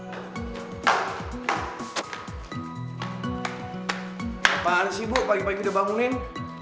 apaan sih bu pagi pagi udah bangunin